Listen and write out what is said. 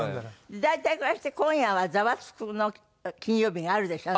大体からして今夜は『ザワつく！金曜日』があるでしょ？